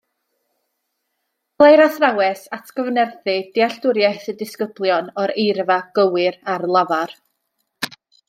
Dylai'r athrawes atgyfnerthu dealltwriaeth y disgyblion o'r eirfa gywir ar lafar